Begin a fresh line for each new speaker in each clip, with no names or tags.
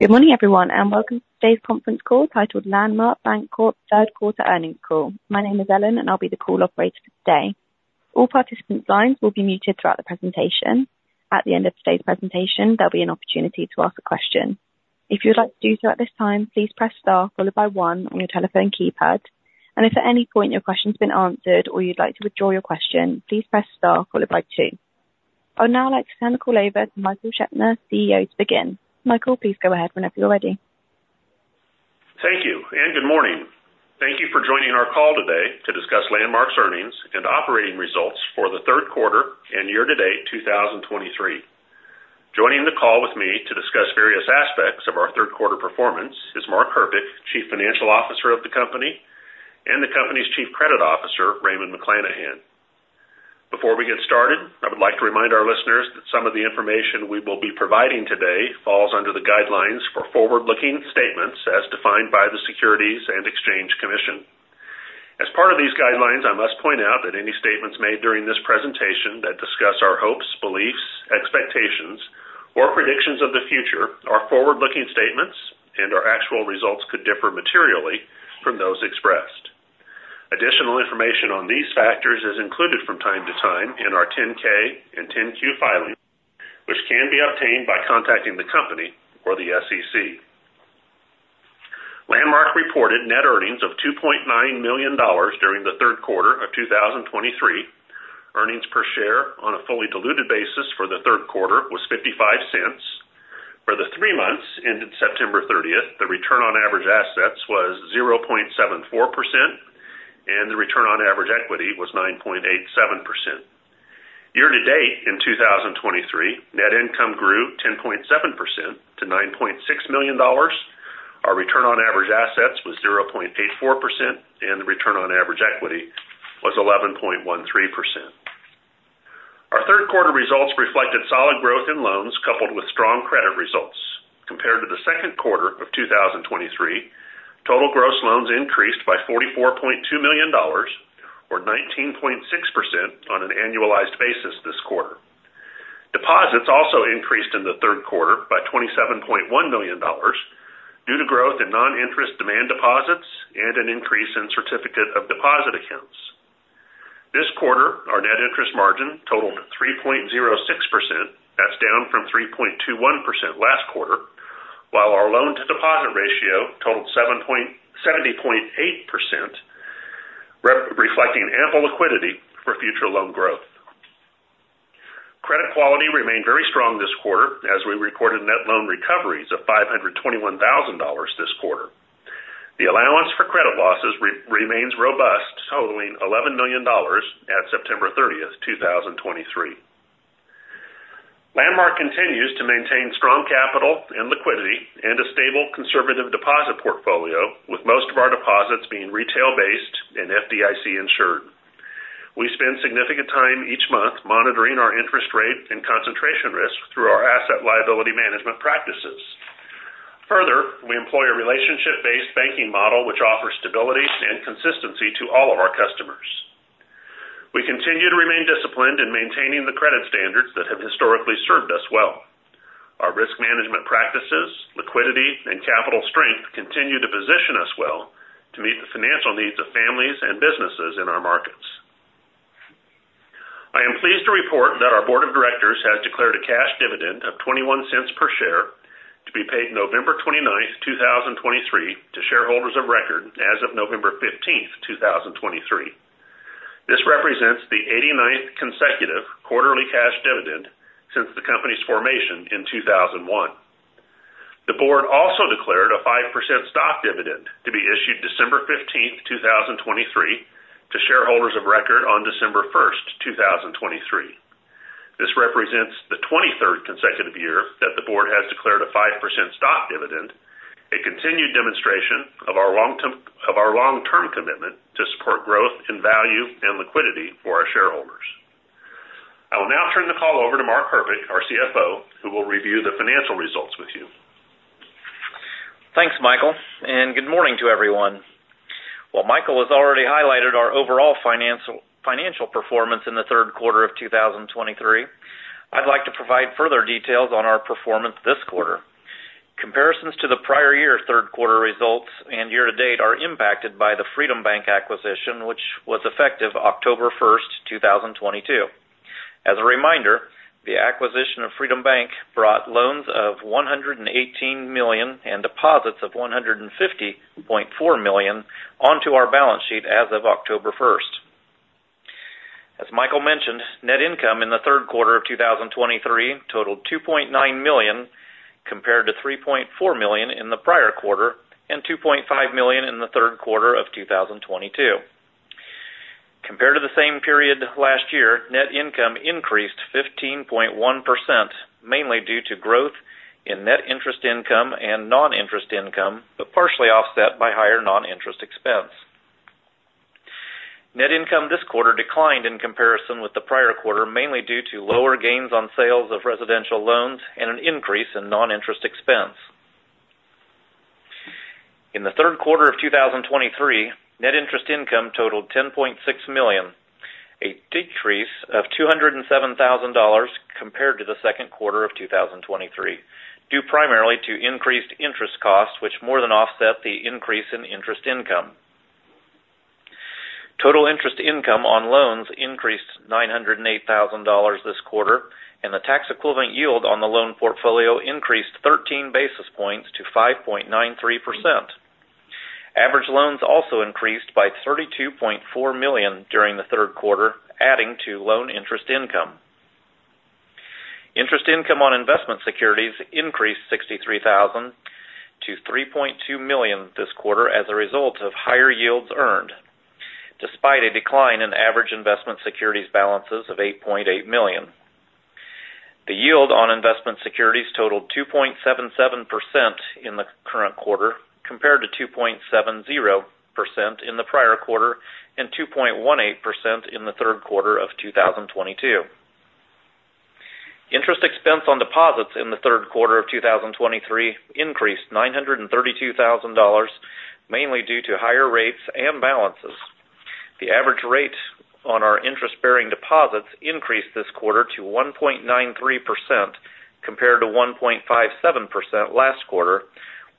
Good morning, everyone, and welcome to today's conference call, titled Landmark Bancorp Third Quarter Earnings Call. My name is Ellen, and I'll be the call operator for today. All participant lines will be muted throughout the presentation. At the end of today's presentation, there'll be an opportunity to ask a question. If you would like to do so at this time, please press star followed by one on your telephone keypad. And if at any point your question's been answered or you'd like to withdraw your question, please press star followed by two. I'd now like to turn the call over to Michael Scheopner, CEO, to begin. Michael, please go ahead whenever you're ready.
Thank you, and good morning. Thank you for joining our call today to discuss Landmark's earnings and operating results for the third quarter and year-to-date, 2023. Joining the call with me to discuss various aspects of our third quarter performance is Mark Herpich, Chief Financial Officer of the company, and the company's Chief Credit Officer, Raymond McLanahan. Before we get started, I would like to remind our listeners that some of the information we will be providing today falls under the guidelines for forward-looking statements as defined by the Securities and Exchange Commission. As part of these guidelines, I must point out that any statements made during this presentation that discuss our hopes, beliefs, expectations, or predictions of the future are forward-looking statements, and our actual results could differ materially from those expressed. Additional information on these factors is included from time to time in our 10-K and 10-Q filings, which can be obtained by contacting the company or the SEC. Landmark reported net earnings of $2.9 million during the third quarter of 2023. Earnings per share on a fully diluted basis for the third quarter was $0.55. For the three months ended September 30, the return on average assets was 0.74%, and the return on average equity was 9.87%. Year to date, in 2023, net income grew 10.7% to $9.6 million. Our return on average assets was 0.84%, and the return on average equity was 11.13%. Our third quarter results reflected solid growth in loans, coupled with strong credit results. Compared to the second quarter of 2023, total gross loans increased by $44.2 million, or 19.6% on an annualized basis this quarter. Deposits also increased in the third quarter by $27.1 million due to growth in non-interest demand deposits and an increase in certificate of deposit accounts. This quarter, our net interest margin totaled 3.06%. That's down from 3.21% last quarter, while our loan to deposit ratio totaled 70.8%, reflecting ample liquidity for future loan growth. Credit quality remained very strong this quarter as we recorded net loan recoveries of $521,000 this quarter. The allowance for credit losses remains robust, totaling $11 million at September 30th, 2023. Landmark continues to maintain strong capital and liquidity and a stable, conservative deposit portfolio, with most of our deposits being retail-based and FDIC insured. We spend significant time each month monitoring our interest rate and concentration risk through our asset liability management practices. Further, we employ a relationship-based banking model, which offers stability and consistency to all of our customers. We continue to remain disciplined in maintaining the credit standards that have historically served us well. Our risk management practices, liquidity, and capital strength continue to position us well to meet the financial needs of families and businesses in our markets. I am pleased to report that our board of directors has declared a cash dividend of $0.21 per share to be paid November 29, 2023, to shareholders of record as of November 15, 2023. This represents the 89th consecutive quarterly cash dividend since the company's formation in 2001. The board also declared a 5% stock dividend to be issued December 15, 2023, to shareholders of record on December 1, 2023. This represents the 23rd consecutive year that the board has declared a 5% stock dividend, a continued demonstration of our long-term commitment to support growth in value and liquidity for our shareholders. I will now turn the call over to Mark Herpich, our CFO, who will review the financial results with you.
Thanks, Michael, and good morning to everyone. While Michael has already highlighted our overall financial performance in the third quarter of 2023, I'd like to provide further details on our performance this quarter. Comparisons to the prior year's third quarter results and year to date are impacted by the Freedom Bank acquisition, which was effective October 1, 2022. As a reminder, the acquisition of Freedom Bank brought loans of $118 million and deposits of $150.4 million onto our balance sheet as of October 1. As Michael mentioned, net income in the third quarter of 2023 totaled $2.9 million, compared to $3.4 million in the prior quarter and $2.5 million in the third quarter of 2022. Compared to the same period last year, net income increased 15.1%, mainly due to growth in net interest income and non-interest income, but partially offset by higher non-interest expense. Net income this quarter declined in comparison with the prior quarter, mainly due to lower gains on sales of residential loans and an increase in non-interest expense. In the third quarter of 2023, net interest income totaled $10.6 million, a decrease of $207,000 compared to the second quarter of 2023, due primarily to increased interest costs, which more than offset the increase in interest income. Total interest income on loans increased $908,000 this quarter, and the tax-equivalent yield on the loan portfolio increased 13 basis points to 5.93%. Average loans also increased by $32.4 million during the third quarter, adding to loan interest income. Interest income on investment securities increased $63,000 to $3.2 million this quarter as a result of higher yields earned, despite a decline in average investment securities balances of $8.8 million. The yield on investment securities totaled 2.77% in the current quarter, compared to 2.70% in the prior quarter and 2.18% in the third quarter of 2022. Interest expense on deposits in the third quarter of 2023 increased $932,000, mainly due to higher rates and balances. The average rate on our interest-bearing deposits increased this quarter to 1.93%, compared to 1.57% last quarter,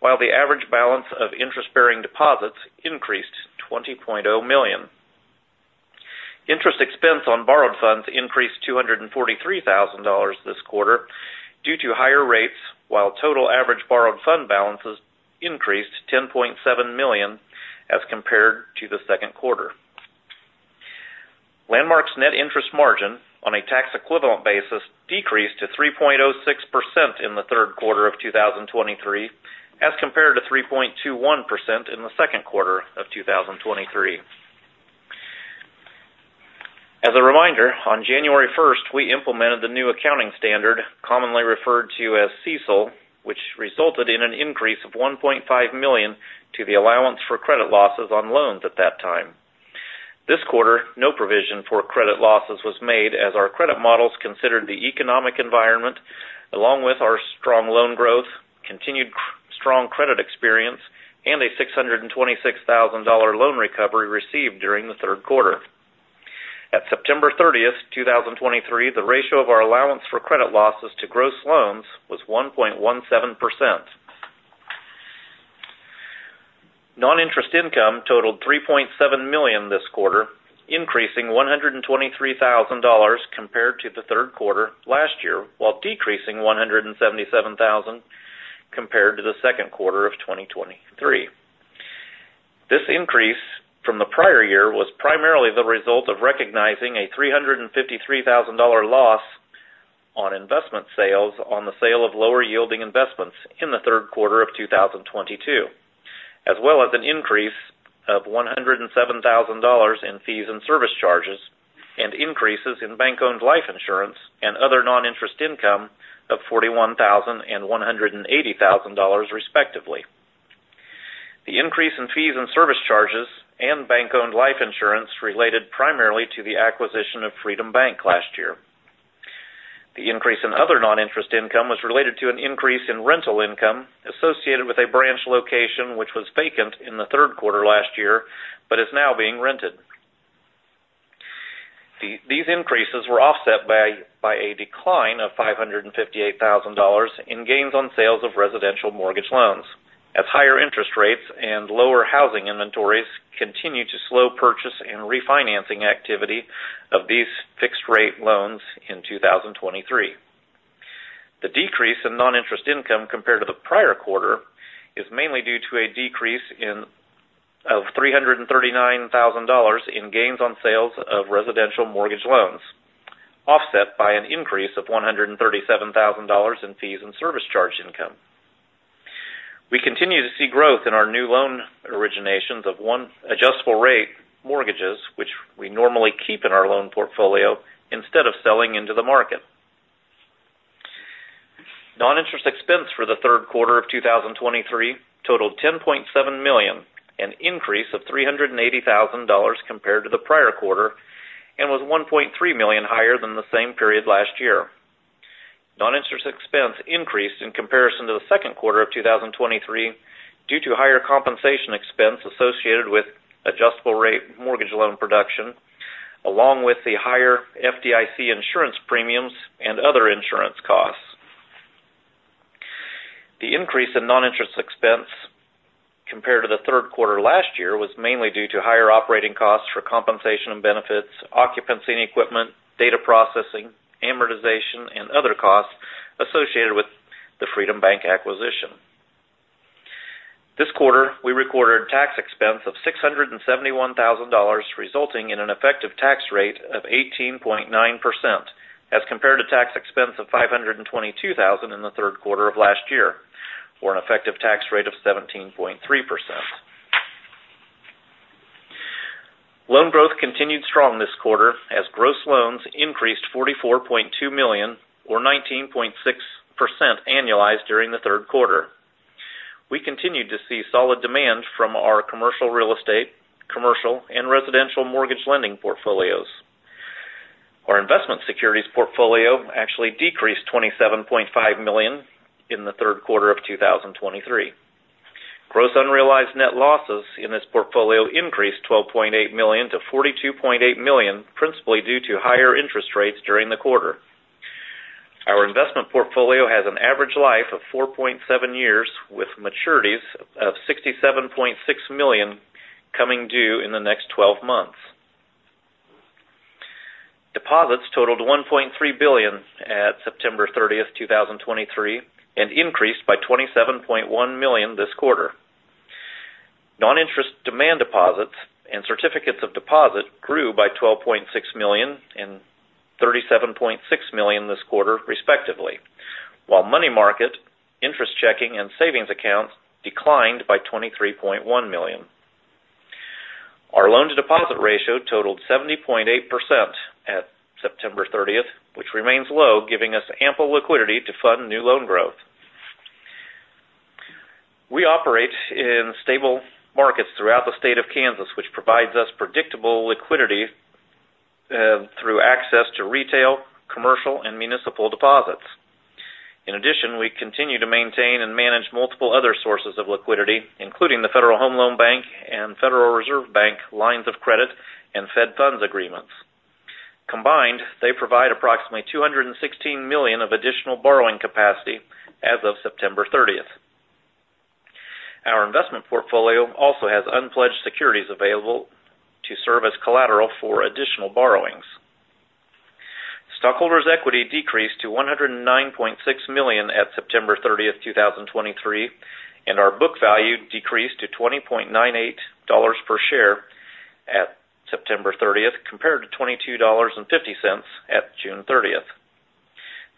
while the average balance of interest-bearing deposits increased $20.0 million. Interest expense on borrowed funds increased $243,000 this quarter due to higher rates, while total average borrowed fund balances increased $10.7 million as compared to the second quarter. Landmark's net interest margin on a tax-equivalent basis decreased to 3.06% in the third quarter of 2023, as compared to 3.21% in the second quarter of 2023. As a reminder, on January 1, we implemented the new accounting standard, commonly referred to as CECL, which resulted in an increase of $1.5 million to the allowance for credit losses on loans at that time. This quarter, no provision for credit losses was made, as our credit models considered the economic environment, along with our strong loan growth, continued strong credit experience, and a $626,000 loan recovery received during the third quarter. At September 30, 2023, the ratio of our allowance for credit losses to gross loans was 1.17%. Non-interest income totaled $3.7 million this quarter, increasing $123,000 compared to the third quarter last year, while decreasing $177,000 compared to the second quarter of 2023. This increase from the prior year was primarily the result of recognizing a $353,000 loss on investment sales on the sale of lower-yielding investments in the third quarter of 2022, as well as an increase of $107,000 in fees and service charges, and increases in bank-owned life insurance and other non-interest income of $41,000 and $180,000, respectively. The increase in fees and service charges and bank-owned life insurance related primarily to the acquisition of Freedom Bank last year. The increase in other non-interest income was related to an increase in rental income associated with a branch location, which was vacant in the third quarter last year, but is now being rented. These increases were offset by a decline of $558,000 in gains on sales of residential mortgage loans, as higher interest rates and lower housing inventories continued to slow purchase and refinancing activity of these fixed-rate loans in 2023. The decrease in non-interest income compared to the prior quarter is mainly due to a decrease of $339,000 in gains on sales of residential mortgage loans, offset by an increase of $137,000 in fees and service charge income. We continue to see growth in our new loan originations of ARMs, which we normally keep in our loan portfolio instead of selling into the market. Non-interest expense for the third quarter of 2023 totaled $10.7 million, an increase of $380,000 compared to the prior quarter, and was $1.3 million higher than the same period last year. Non-interest expense increased in comparison to the second quarter of 2023 due to higher compensation expense associated with adjustable rate mortgage loan production, along with the higher FDIC insurance premiums and other insurance costs. The increase in non-interest expense compared to the third quarter last year was mainly due to higher operating costs for compensation and benefits, occupancy and equipment, data processing, amortization, and other costs associated with the Freedom Bank acquisition. This quarter, we recorded tax expense of $671,000, resulting in an effective tax rate of 18.9%, as compared to tax expense of $522,000 in the third quarter of last year, for an effective tax rate of 17.3%. Loan growth continued strong this quarter as gross loans increased $44.2 million, or 19.6% annualized during the third quarter. We continued to see solid demand from our commercial real estate, commercial, and residential mortgage lending portfolios. Our investment securities portfolio actually decreased $27.5 million in the third quarter of 2023. Gross unrealized net losses in this portfolio increased $12.8 million to $42.8 million, principally due to higher interest rates during the quarter. Our investment portfolio has an average life of 4.7 years, with maturities of $67.6 million coming due in the next twelve months. Deposits totaled $1.3 billion at September 30, 2023, and increased by $27.1 million this quarter. Non-interest demand deposits and certificates of deposit grew by $12.6 million and $37.6 million this quarter, respectively, while money market interest checking and savings accounts declined by $23.1 million. Our loan-to-deposit ratio totaled 70.8% at September 30, 2023, which remains low, giving us ample liquidity to fund new loan growth. We operate in stable markets throughout the State of Kansas, which provides us predictable liquidity through access to retail, commercial, and municipal deposits. In addition, we continue to maintain and manage multiple other sources of liquidity, including the Federal Home Loan Bank and Federal Reserve Bank lines of credit and Fed Funds agreements. Combined, they provide approximately $216 million of additional borrowing capacity as of September 30. Our investment portfolio also has unpledged securities available to serve as collateral for additional borrowings. Stockholders' equity decreased to $109.6 million at September 30, 2023, and our book value decreased to $20.98 per share at September 30, compared to $22.50 at June 30.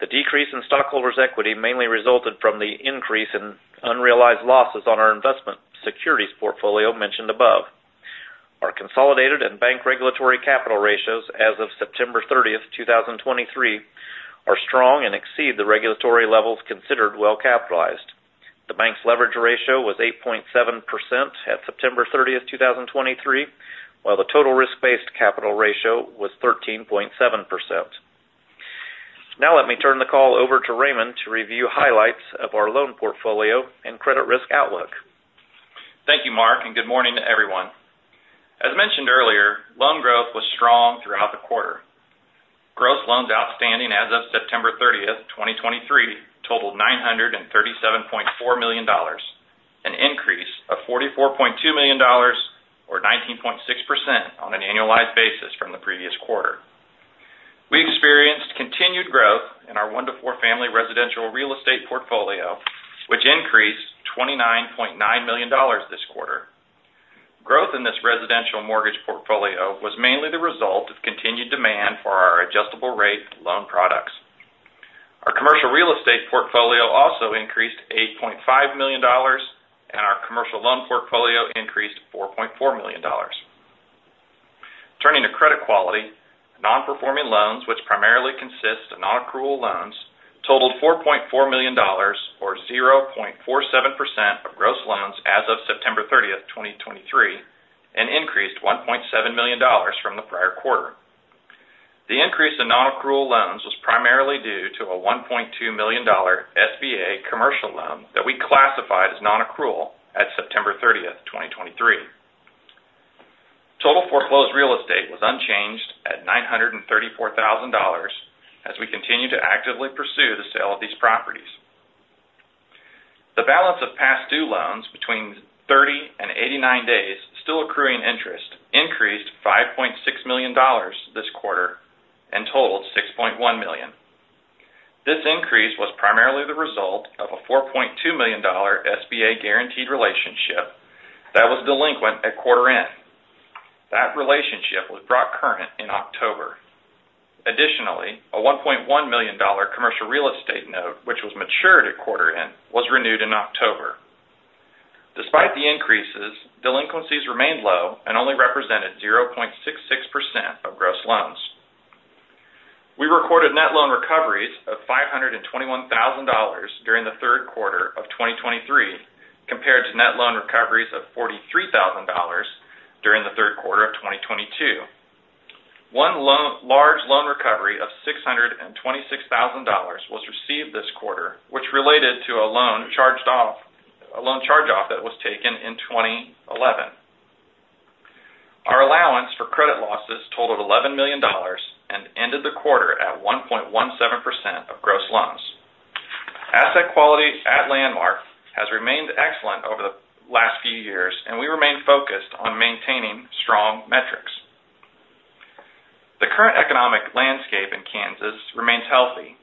The decrease in stockholders' equity mainly resulted from the increase in unrealized losses on our investment securities portfolio mentioned above. Our consolidated and bank regulatory capital ratios as of September 30, 2023, are strong and exceed the regulatory levels considered well capitalized. The bank's leverage ratio was 8.7% at September 30, 2023, while the total risk-based capital ratio was 13.7%. Now, let me turn the call over to Raymond to review highlights of our loan portfolio and credit risk outlook.
Thank you, Mark, and good morning to everyone. As mentioned earlier, loan growth was strong throughout the quarter. Gross loans outstanding as of September 30th, 2023, totaled $937.4 million, an increase of $44.2 million, or 19.6% on an annualized basis from the previous quarter. We experienced continued growth in our one-to-four family residential real estate portfolio, which increased $29.9 million this quarter. Growth in this residential mortgage portfolio was mainly the result of continued demand for our adjustable rate loan products. Our commercial real estate portfolio also increased $8.5 million, and our commercial loan portfolio increased $4.4 million. Turning to credit quality, non-performing loans, which primarily consist of non-accrual loans, totaled $4.4 million, or 0.47% of gross loans as of September 30, 2023, and increased $1.7 million from the prior quarter. The increase in non-accrual loans was primarily due to a $1.2 million SBA commercial loan that we classified as non-accrual at September 30, 2023. Total foreclosed real estate was unchanged at $934,000 as we continue to actively pursue the sale of these properties. The balance of past due loans between 30 and 89 days, still accruing interest, increased $5.6 million this quarter and totaled $6.1 million. This increase was primarily the result of a $4.2 million SBA guaranteed relationship that was delinquent at quarter end. That relationship was brought current in October. Additionally, a $1.1 million commercial real estate note, which was matured at quarter end, was renewed in October. Despite the increases, delinquencies remained low and only represented 0.66% of gross loans. We recorded net loan recoveries of $521,000 during the third quarter of 2023, compared to net loan recoveries of $43,000 during the third quarter of 2022. One large loan recovery of $626,000 was received this quarter, which related to a loan charge-off that was taken in 2011. Our allowance for credit losses totaled $11 million and ended the quarter at 1.17% of gross loans. Asset quality at Landmark has remained excellent over the last few years, and we remain focused on maintaining strong metrics. The current economic landscape in Kansas remains healthy.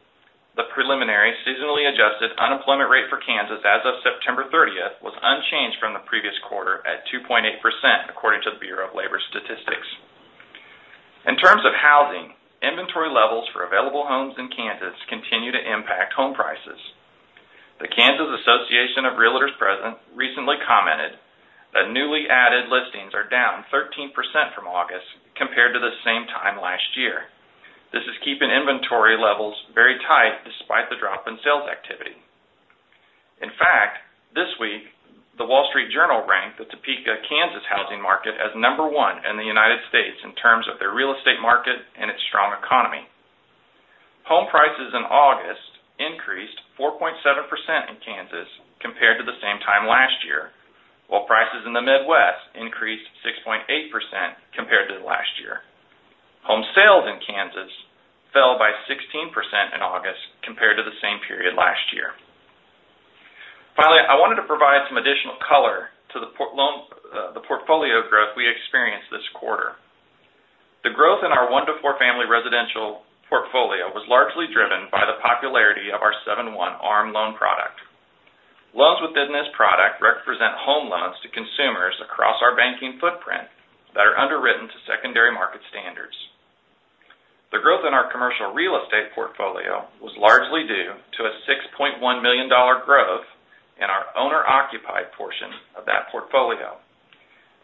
The preliminary seasonally adjusted unemployment rate for Kansas as of September 30, was unchanged from the previous quarter at 2.8%, according to the Bureau of Labor Statistics. In terms of housing, inventory levels for available homes in Kansas continue to impact home prices. The Kansas Association of Realtors President recently commented that newly added listings are down 13% from August compared to the same time last year. This is keeping inventory levels very tight despite the drop in sales activity. The Wall Street Journal ranked the Topeka, Kansas housing market as number one in the United States in terms of their real estate market and its strong economy. Home prices in August increased 4.7% in Kansas compared to the same time last year, while prices in the Midwest increased 6.8% compared to last year. Home sales in Kansas fell by 16% in August compared to the same period last year. Finally, I wanted to provide some additional color to the portfolio growth we experienced this quarter. The growth in our 1-4 family residential portfolio was largely driven by the popularity of our 7/1 ARM loan product. Loans with this product represent home loans to consumers across our banking footprint that are underwritten to secondary market standards. The growth in our commercial real estate portfolio was largely due to a $6.1 million growth in our owner-occupied portion of that portfolio.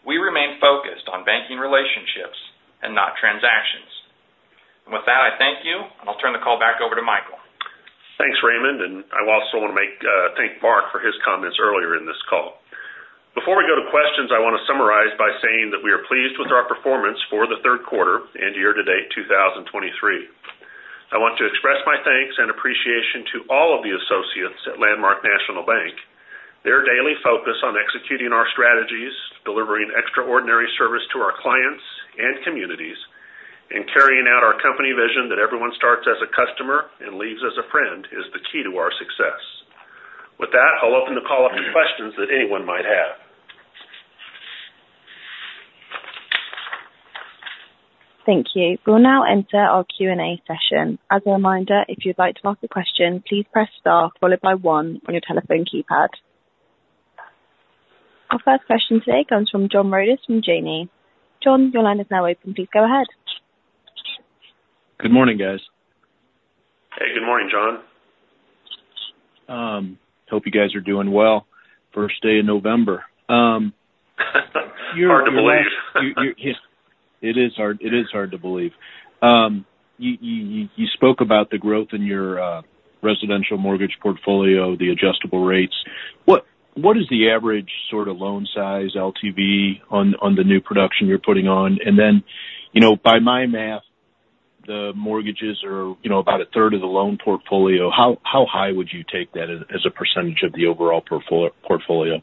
We remain focused on banking relationships and not transactions. With that, I thank you, and I'll turn the call back over to Michael.
Thanks, Raymond, and I also want to make thank Mark for his comments earlier in this call. Before we go to questions, I want to summarize by saying that we are pleased with our performance for the third quarter and year-to-date, 2023. I want to express my thanks and appreciation to all of the associates at Landmark National Bank. Their daily focus on executing our strategies, delivering extraordinary service to our clients and communities, and carrying out our company vision that everyone starts as a customer and leaves as a friend, is the key to our success. With that, I'll open the call up to questions that anyone might have.
Thank you. We'll now enter our Q&A session. As a reminder, if you'd like to ask a question, please press Star, followed by one on your telephone keypad. Our first question today comes from John Rodis from Janney. John, your line is now open. Please go ahead.
Good morning, guys.
Hey, good morning, John.
Hope you guys are doing well. First day of November,
Hard to believe.
It is hard, it is hard to believe. You spoke about the growth in your residential mortgage portfolio, the adjustable rates. What is the average sort of loan size LTV on the new production you're putting on? And then, you know, by my math, the mortgages are, you know, about a third of the loan portfolio. How high would you take that as a percentage of the overall portfolio?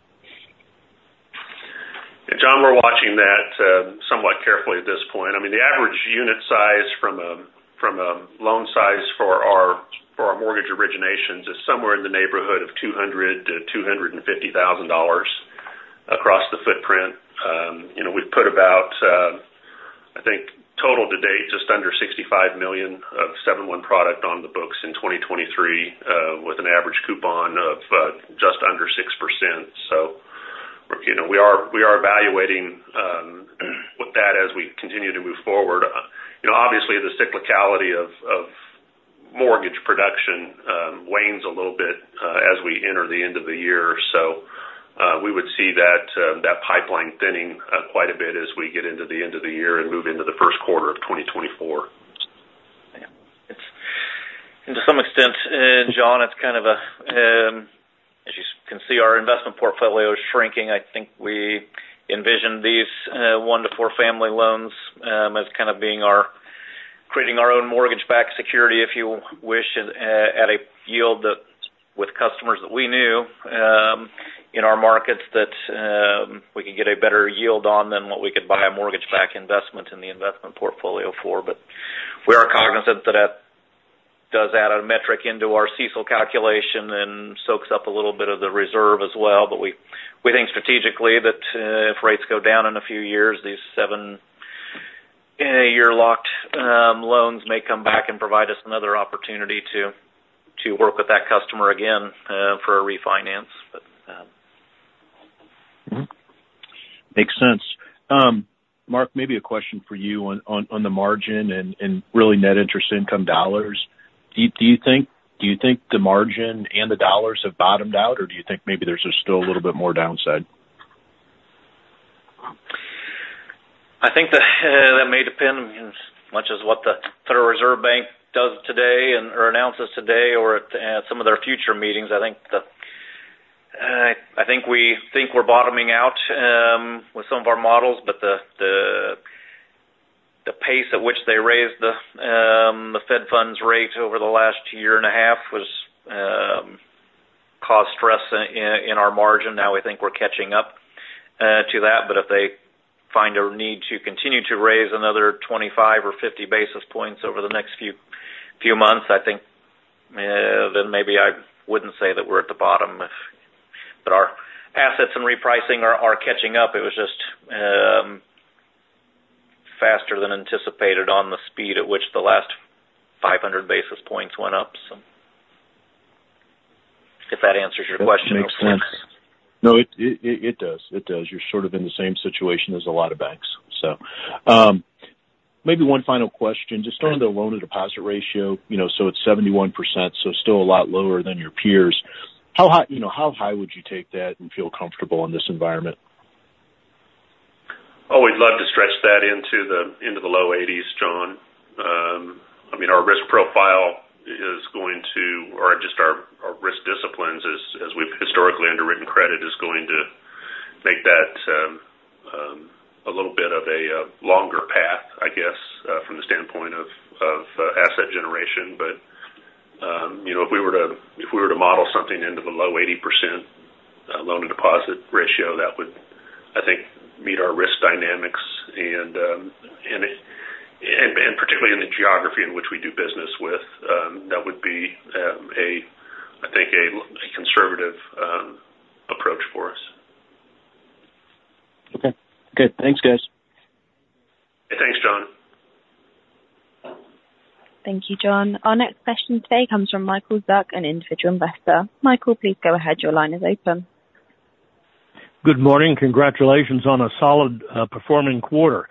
John, we're watching that somewhat carefully at this point. I mean, the average unit size from a loan size for our mortgage originations is somewhere in the neighborhood of $200,000-$250,000 across the footprint. You know, we've put about, I think total to date, just under $65 million of 7/1 product on the books in 2023, with an average coupon of just under 6%. So, you know, we are evaluating with that as we continue to move forward. You know, obviously, the cyclicality of mortgage production wanes a little bit as we enter the end of the year. We would see that pipeline thinning quite a bit as we get into the end of the year and move into the first quarter of 2024.
Yeah, it's to some extent, John, it's kind of a, as you can see, our investment portfolio is shrinking. I think we envisioned these 1-4 family loans as kind of being our creating our own mortgage-backed security, if you wish, at a yield that with customers that we knew in our markets, that we could get a better yield on than what we could buy a mortgage-backed investment in the investment portfolio for. But we are cognizant that that does add a metric into our CECL calculation and soaks up a little bit of the reserve as well. But we think strategically that if rates go down in a few years, these 7-year locked loans may come back and provide us another opportunity to work with that customer again for a refinance, but.
Mm-hmm. Makes sense. Mark, maybe a question for you on the margin and really net interest income dollars. Do you think the margin and the dollars have bottomed out, or do you think maybe there's just still a little bit more downside?
I think that may depend much as what the Federal Reserve Bank does today and/or announces today or at some of their future meetings. I think we think we're bottoming out with some of our models, but the pace at which they raised the Fed funds rate over the last year and a half was caused stress in our margin. Now, we think we're catching up to that, but if they find a need to continue to raise another 25 or 50 basis points over the next few months, I think then maybe I wouldn't say that we're at the bottom. But our assets and repricing are catching up. It was just faster than anticipated on the speed at which the last 500 basis points went up. So if that answers your question?
Makes sense. No, it does. It does. You're sort of in the same situation as a lot of banks. So, maybe one final question. Just on the loan-to-deposit ratio, you know, so it's 71%, so still a lot lower than your peers. How high, you know, how high would you take that and feel comfortable in this environment?
Oh, we'd love to stretch that into the low eighties.
You or just our risk disciplines as we've historically underwritten credit is going to make that a little bit of a longer path, I guess, from the standpoint of asset generation. But you know, if we were to model something into the low 80% loan-to-deposit ratio, that would, I think, meet our risk dynamics and, and particularly in the geography in which we do business with, that would be, I think, a conservative approach for us.
Okay, good. Thanks, guys.
Thanks, John.
Thank you, John. Our next question today comes from Michael Zuck, an individual investor. Michael, please go ahead. Your line is open.
Good morning. Congratulations on a solid performing quarter.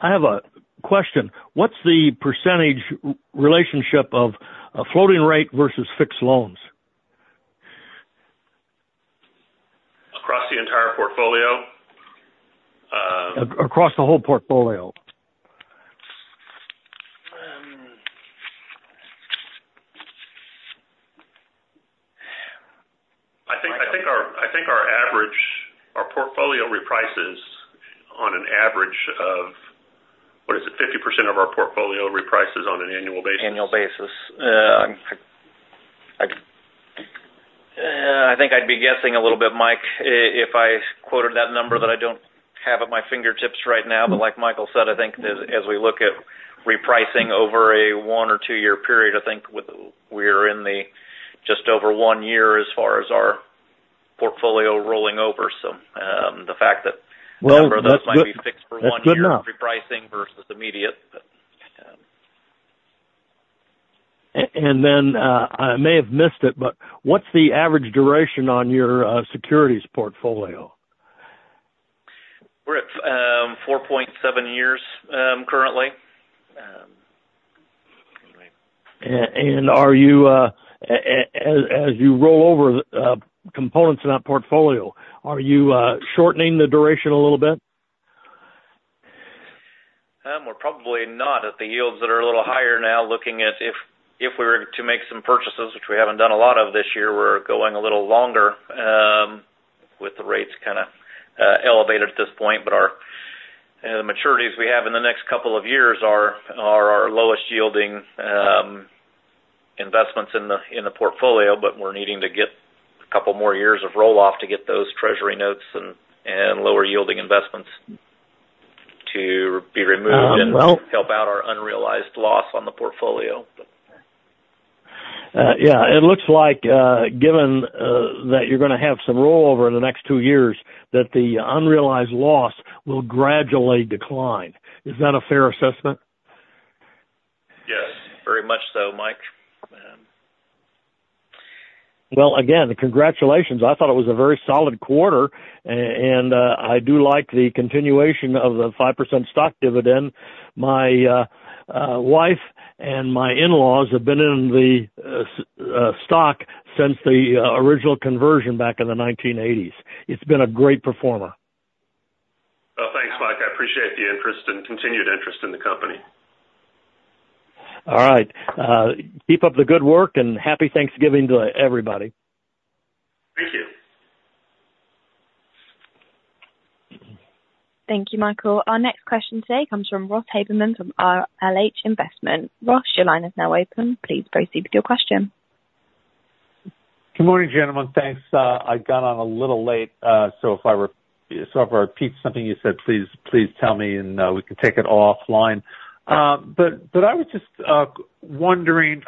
I have a question: What's the percentage relationship of a floating rate versus fixed loans?
Across the entire portfolio?
across the whole portfolio.
I think our portfolio reprices on an average of... What is it? 50% of our portfolio reprices on an annual basis.
Annual basis. I think I'd be guessing a little bit, Mike, if I quoted that number that I don't have at my fingertips right now. But like Michael said, I think as we look at repricing over a one or two-year period, I think we're in the just over one year as far as our portfolio rolling over. So, the fact that-
Well, that's good, that's good enough.
might be fixed for one year repricing versus immediate. But,
And then, I may have missed it, but what's the average duration on your securities portfolio?
We're at 4.7 years currently.
And are you, as you roll over components in that portfolio, are you shortening the duration a little bit?
We're probably not at the yields that are a little higher now. Looking at if we were to make some purchases, which we haven't done a lot of this year, we're going a little longer, with the rates kind of elevated at this point. But the maturities we have in the next couple of years are our lowest yielding investments in the portfolio. But we're needing to get a couple more years of roll-off to get those treasury notes and lower yielding investments to be removed-
Well-
and help out our unrealized loss on the portfolio.
Yeah, it looks like, given that you're going to have some rollover in the next two years, that the unrealized loss will gradually decline. Is that a fair assessment?
Yes, very much so, Mike.
Well, again, congratulations. I thought it was a very solid quarter, and I do like the continuation of the 5% stock dividend. My wife and my in-laws have been in the stock since the original conversion back in the 1980s. It's been a great performer.
Well, thanks, Mike. I appreciate the interest and continued interest in the company.
All right. Keep up the good work, and Happy Thanksgiving to everybody.
Thank you.
Thank you, Michael. Our next question today comes from Ross Haberman from RLH Investments. Ross, your line is now open. Please proceed with your question.
Good morning, gentlemen. Thanks. I got on a little late, so if I repeat something you said, please, please tell me and, we can take it offline. But, I was just wondering,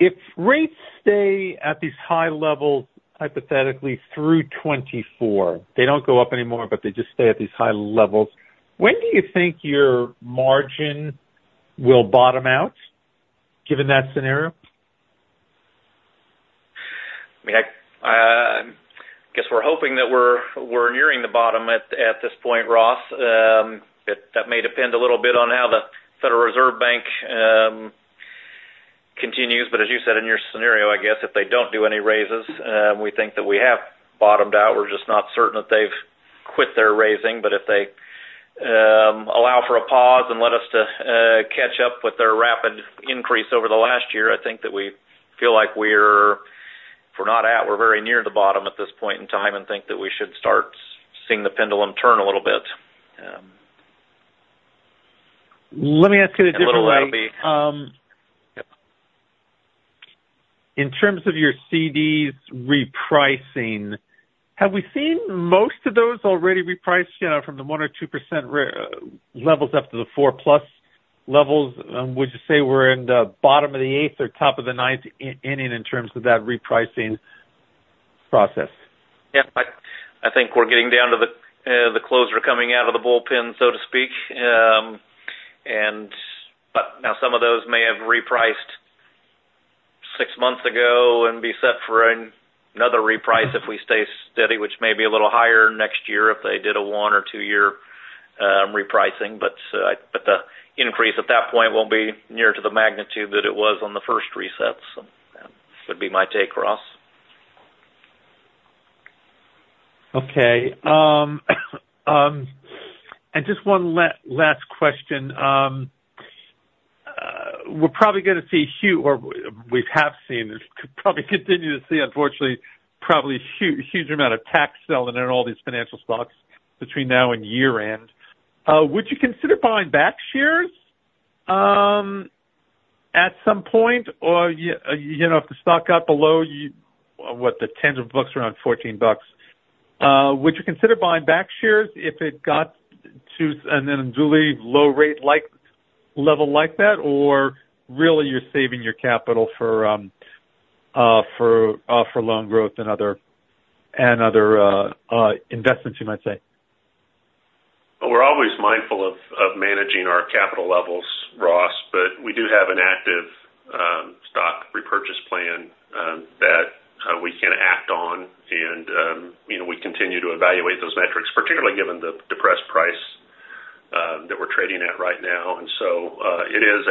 if rates stay at these high levels hypothetically through 2024, they don't go up anymore, but they just stay at these high levels. When do you think your margin will bottom out, given that scenario?
I mean, I guess we're hoping that we're nearing the bottom at this point, Ross. That may depend a little bit on how the Federal Reserve Bank continues, but as you said in your scenario, I guess if they don't do any raises, we think that we have bottomed out. We're just not certain that they've quit their raising. But if they allow for a pause and let us to catch up with their rapid increase over the last year, I think that we feel like we're. If we're not out, we're very near the bottom at this point in time, and think that we should start seeing the pendulum turn a little bit.
Let me ask you a different way.
And little maybe-
In terms of your CDs repricing, have we seen most of those already repriced, you know, from the 1 or 2% rate levels up to the 4+ levels? Would you say we're in the bottom of the eighth or top of the ninth inning in terms of that repricing process?
Yeah, I think we're getting down to the closer coming out of the bullpen, so to speak. But now some of those may have repriced six months ago and be set for another reprice if we stay steady, which may be a little higher next year if they did a 1- or 2-year repricing. But the increase at that point won't be near to the magnitude that it was on the first resets. So that would be my take, Ross.
Okay. And just one last question. We're probably gonna see huge or we have seen, probably continue to see, unfortunately, probably huge, huge amount of tax selling in all these financial stocks between now and year-end. Would you consider buying back shares at some point? Or you know, if the stock got below you, what, the tens of bucks, around $14. Would you consider buying back shares if it got to an unduly low rate, like, level like that? Or really you're saving your capital for loan growth and other, and other investments, you might say?
Well, we're always mindful of managing our capital levels, Ross, but we do have an active stock repurchase plan that we can act on. And you know, we continue to evaluate those metrics, particularly given the depressed price that we're trading at right now. And so, it is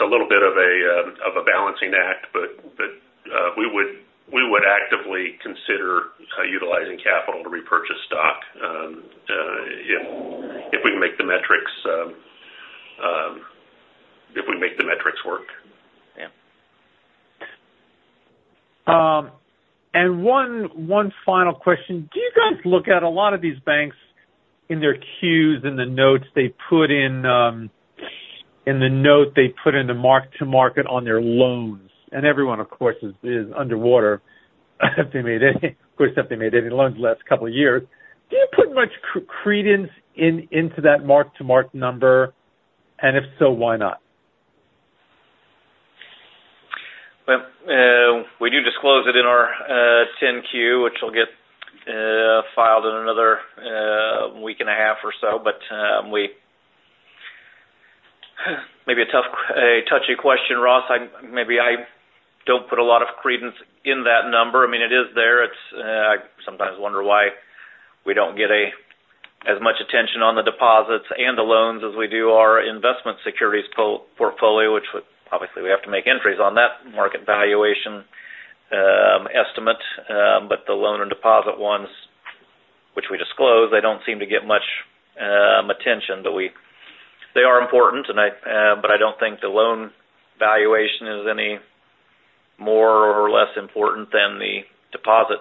a little bit of a balancing act. But we would actively consider utilizing capital to repurchase stock if we can make the metrics work.
Yeah. And one final question: Do you guys look at a lot of these banks in their Q's, in the notes they put in the mark-to-market on their loans, and everyone, of course, is underwater if they made any loans the last couple of years? Do you put much credence into that mark-to-market number, and if so, why not?
Well, we do disclose it in our 10-Q, which will get filed in another week and a half or so. But, maybe a tough, a touchy question, Ross. I'm maybe I don't put a lot of credence in that number. I mean, it is there. It's, I sometimes wonder why we don't get as much attention on the deposits and the loans as we do our investment securities portfolio, which would obviously, we have to make entries on that market valuation estimate. But the loan and deposit ones, which we disclose, they don't seem to get much attention. But we-- they are important, and I, but I don't think the loan valuation is any more or less important than the deposit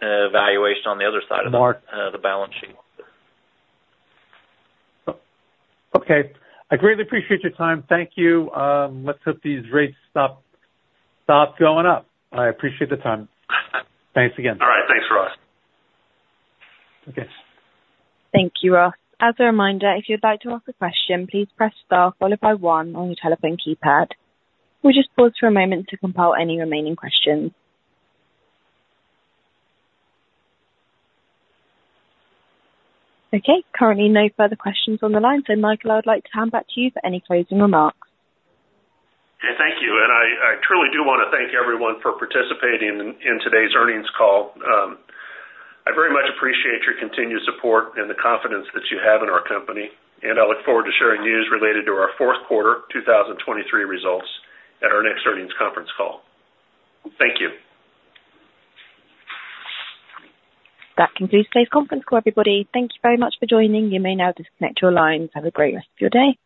valuation on the other side of the-
Mark.
- the balance sheet.
Okay. I greatly appreciate your time. Thank you. Let's hope these rates stop going up. I appreciate the time. Thanks again.
All right. Thanks, Ross.
Okay.
Thank you, Ross. As a reminder, if you'd like to ask a question, please press star followed by one on your telephone keypad. We'll just pause for a moment to compile any remaining questions. Okay, currently no further questions on the line. So, Michael, I would like to hand back to you for any closing remarks.
Yeah, thank you. I, I truly do want to thank everyone for participating in, in today's earnings call. I very much appreciate your continued support and the confidence that you have in our company, and I look forward to sharing news related to our fourth quarter 2023 results at our next earnings conference call. Thank you.
That concludes today's conference call, everybody. Thank you very much for joining. You may now disconnect your lines. Have a great rest of your day.